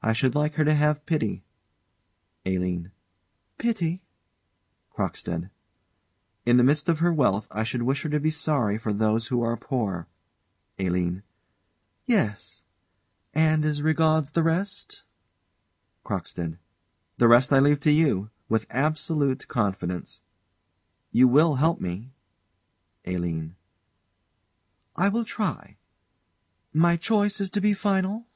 I should like her to have pity. ALINE. Pity? CROCKSTEAD. In the midst of her wealth I should wish her to be sorry for those who are poor. ALINE. Yes. And, as regards the rest CROCKSTEAD. The rest I leave to you, with absolute confidence. You will help me? ALINE. I will try. My choice is to be final?